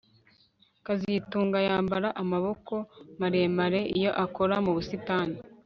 kazitunga yambara amaboko maremare iyo akora mu busitani